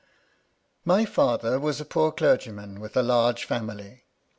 My father was a poor clergyman with a large family.